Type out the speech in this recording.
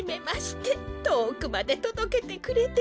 とおくまでとどけてくれてありがとう。